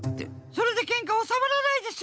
それでけんかおさまらないでしょ！